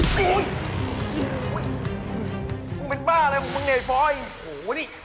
มึงเป็นบ้าอะไรแล้วมึงนี่ไอ้ปลอส